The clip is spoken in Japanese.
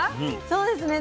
そうですね。